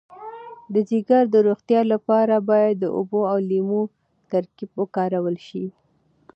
د ځیګر د روغتیا لپاره باید د اوبو او لیمو ترکیب وکارول شي.